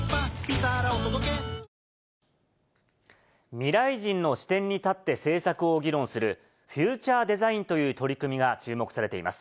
未来人の視点に立って政策を議論する、フューチャーデザインという取り組みが注目されています。